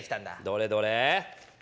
どれどれ。